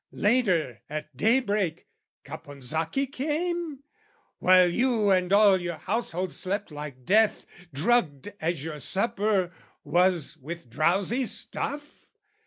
"Later, at daybreak"..."Caponsacchi came" ? "While you and all your household slept like death, "Drugged as your supper was with drowsy stuff"